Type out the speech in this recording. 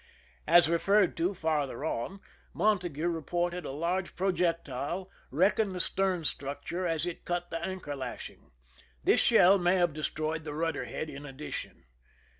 As referred to farther on, Montague reported a large projectile wrecking the stern structure as it cut the anchor lashing. This shell may have destroyed the rudder head in addition.